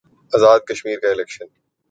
آزاد کشمیر کا الیکشن